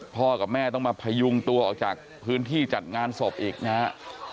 กับแม่ต้องมาพยุงตัวออกจากพื้นที่จัดงานศพอีกนะฮะ